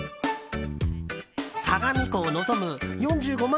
相模湖を望む４５万